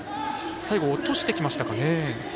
最後、落としてきましたかね。